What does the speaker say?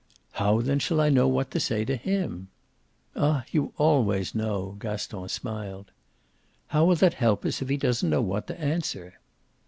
"How then shall I know what to say to HIM?" "Ah you always know!" Gaston smiled. "How will that help us if he doesn't know what to answer?"